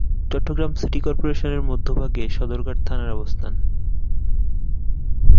Chittagong city কর্পোরেশনের মধ্যভাগে সদরঘাট থানার অবস্থান।